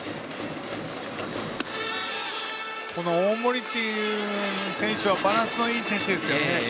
大森という選手はバランスのいい選手ですね。